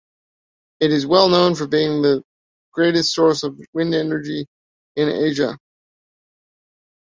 It is well known for being the greatest source of wind energy in Asia.